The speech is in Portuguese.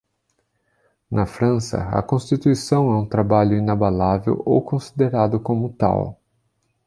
Na França, a constituição é um trabalho inabalável ou considerado como tal.